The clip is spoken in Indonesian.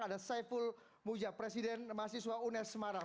ada saiful muja presiden mahasiswa unes semarang